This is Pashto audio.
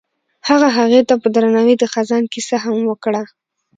هغه هغې ته په درناوي د خزان کیسه هم وکړه.